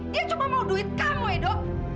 dia cuma mau duit kamu edo